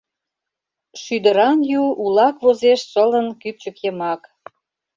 Шӱдыран ю улак возеш шылын кӱпчык йымак…